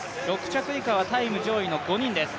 ６着以下はタイム上位の５人です。